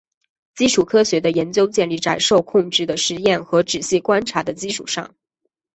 基础科学的研究建立在受控制的实验和仔细观察的基础上。